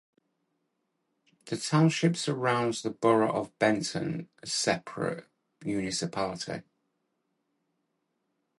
The township surrounds the borough of Benton, a separate municipality.